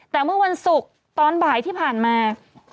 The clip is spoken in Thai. แต่เมื่อวันศุกร์ตอนบ่ายที่ผ่านมา